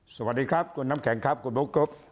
สวัสดีครับคุณน้ำแข็งครับคุณบุ๊คครับ